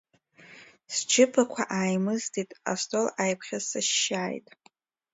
Сџьыбақәа ааимыздеит, астол ааиԥхьысышьшьааит.